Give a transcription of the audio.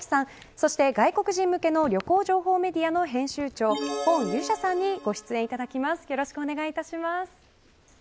そして、外国人向けの旅行情報メディアの編集長洪禹夏さんにご出演いただきます。